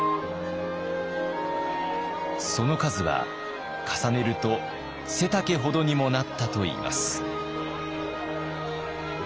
その数は重ねると背丈ほどにもなったといいます。